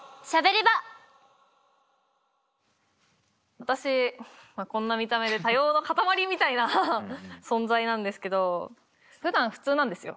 私こんな見た目で多様の塊みたいな存在なんですけどふだん普通なんですよ。